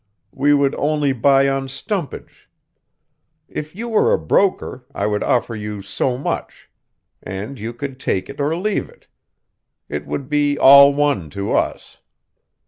We would only buy on stumpage. If you were a broker I would offer you so much, and you could take it or leave it. It would be all one to us.